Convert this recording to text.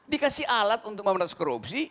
dikasih alat untuk memberantas korupsi